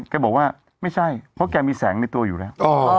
แกบอกว่าไม่ใช่เพราะแกมีแสงในตัวอยู่แล้ว